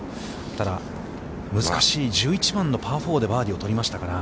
ただ、難しい１１番のパー４でバーディーを取りましたから。